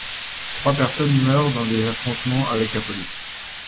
Trois personnes meurent dans des affrontements avec la police.